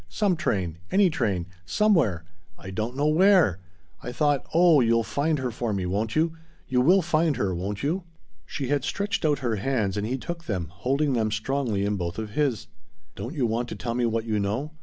Some train. Any train. Somewhere. I don't know where. I thought oh you'll find her for me won't you? You will find her won't you?" She had stretched out her hands, and he took them, holding them strongly in both of his. "Don't you want to tell me what you know?